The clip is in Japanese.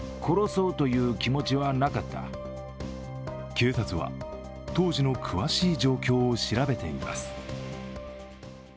警察は、当時の詳しい状況を調べています。